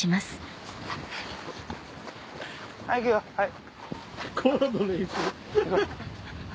はい行くよはい。